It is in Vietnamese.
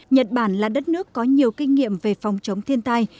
nhật bản là đất nước có nhiều kinh nghiệm về phòng chống thiên tai